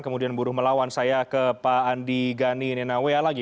kemudian buruh melawan saya ke pak andi gani nenawea lagi